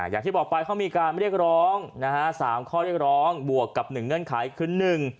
อย่างที่บอกไปเขามีการเรียกร้องนะฮะสามข้อเรียกร้องบวกกับหนึ่งเงื่อนไขคือหนึ่ง